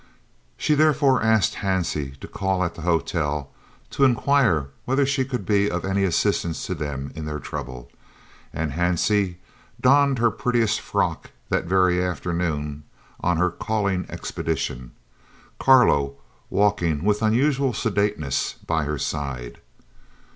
She therefore asked Hansie to call at the hotel to inquire whether she could be of any assistance to them in their trouble, and Hansie donned her prettiest frock that very afternoon on her "calling" expedition, Carlo walking with unusual sedateness by her side.